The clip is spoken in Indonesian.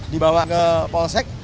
dibawa ke trs polsek